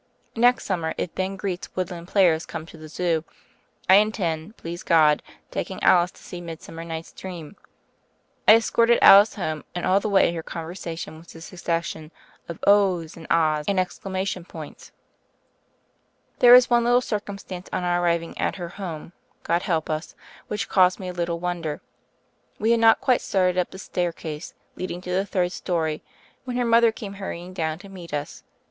Next summer, if Ben Greet's Woodland Players come to the Zoo, I intend, please God, taking Alice to see Midsummer wight's Dream. I escorted Alice home, and all the way her conversation was a succession of *ohs' and *ahs' and exclamation points. "There is one little circumstance, on our ar riving at her 'home' — God help usl — which THE FAIRY OF THE SNOWS 41 caused me a little wonder. We had not quite started up the staircase leading to the third story, when her mother came hurrying down to meet us.